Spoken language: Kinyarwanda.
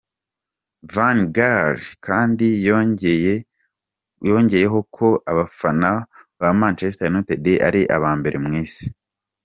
Van Gaal kandi yongeye ho ko abafana ba Manchester United ari abambere mu isi.